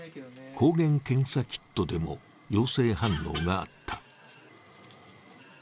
抗原検査キットでも陽性反応があった。